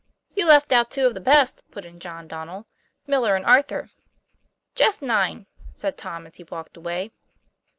"You left out two of the best," put in John Don nel "Miller and Arthur." "Just nine," said Tom, as he walked away.